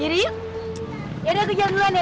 yaudah yuk yaudah aku jalan duluan deh